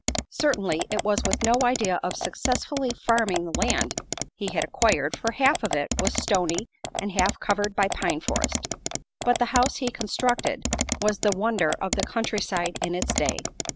Certainly it was with no idea of successfully farming the land he had acquired, for half of it was stony and half covered by pine forest. But the house he constructed was the wonder of the country side in its day.